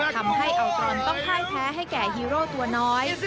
ทำให้อัลต้องพ่ายแพ้ให้แก่ฮีโร่ตัวน้อย